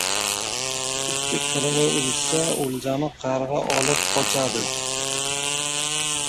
• Ikki qirg‘iy urishsa, o‘ljani qarg‘a olib qochadi.